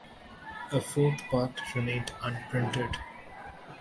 A fourth part remained unprinted.